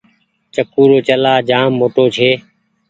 چڪو رو چلآ جآم موٽو ڇي۔